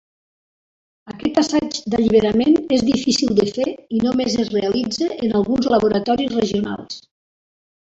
Aquest assaig d'alliberament és difícil de fer i només es realitza en alguns laboratoris regionals.